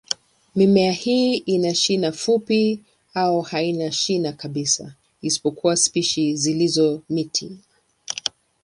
Mimea hii ina shina fupi au haina shina kabisa, isipokuwa spishi zilizo miti.